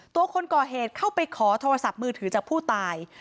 ตัวคนก่อเหตุเข้าไปขอโทรศัพท์มือถือจากผู้ตาย